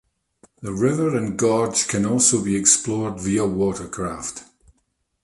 The river and gorge can also be explored via watercraft.